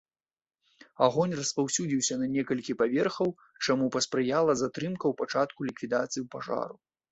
Агонь распаўсюдзіўся на некалькі паверхаў, чаму паспрыяла затрымка ў пачатку ліквідацыі пажару.